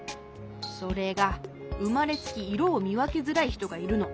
それがうまれつきいろをみわけづらいひとがいるの。